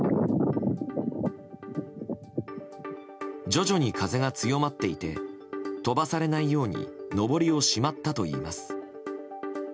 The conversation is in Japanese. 徐々に風が強まっていて飛ばされないようにのぼりをしまったといいます。